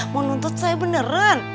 mau nuntut saya beneran